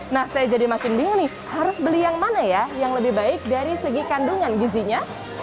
nah saya jadi makin bingung nih harus beli yang mana ya yang lebih baik dari segi kandungan gizinya